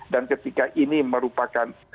dan ketika ini merupakan